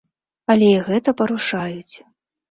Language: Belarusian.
Але і гэта парушаюць.